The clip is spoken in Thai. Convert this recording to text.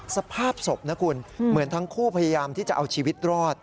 สภาพศพนะคุณเหมือนทั้งคู่พยายามที่จะเอาชีวิตรอด